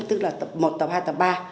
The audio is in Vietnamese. tức là tập một tập hai tập ba